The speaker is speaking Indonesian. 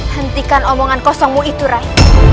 hentikan omongan kosongmu itu ray